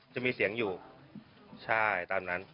จะมีเสียงอยู่ใช่ตามนั้น